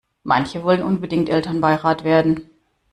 Manche wollen unbedingt Elternbeirat werden.